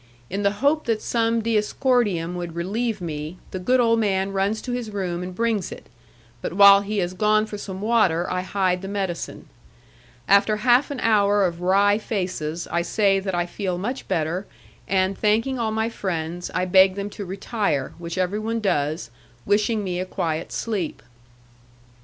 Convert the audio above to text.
In the hope that some diascordium would relieve me, the good old man runs to his room and brings it, but while he has gone for some water I hide the medicine. After half an hour of wry faces, I say that I feel much better, and thanking all my friends, I beg them to retire, which everyone does, wishing me a quiet sleep.